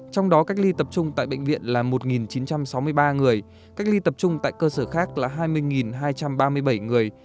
trong đó cách ly tập trung tại bệnh viện là một chín trăm sáu mươi ba người cách ly tập trung tại cơ sở khác là hai mươi hai trăm ba mươi bảy người